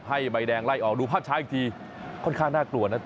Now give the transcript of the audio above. ใบแดงไล่ออกดูภาพช้าอีกทีค่อนข้างน่ากลัวนะ